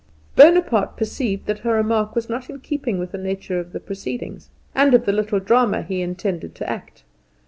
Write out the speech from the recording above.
Bonaparte perceived that her remark was not in keeping with the nature of the proceedings, and of the little drama he intended to act.